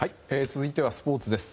続いてはスポーツです。